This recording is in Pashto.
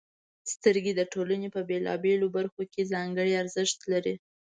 • سترګې د ټولنې په بېلابېلو برخو کې ځانګړې ارزښت لري.